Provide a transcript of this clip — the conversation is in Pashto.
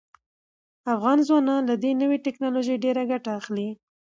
افغان ځوانان له دې نوې ټیکنالوژۍ ډیره ګټه اخلي.